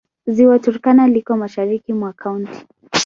Ziwa Turkana liko mashariki mwa kaunti.